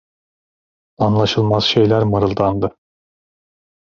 Anlaşılmaz şeyler mırıldandı.